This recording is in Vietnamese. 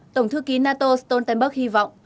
tổng thư ký nato stoltenberg hy vọng